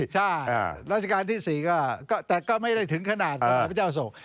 ใช่รัชกาลที่๔ก็ไม่ได้ถึงขนาดสมัยพระเจ้าอโศก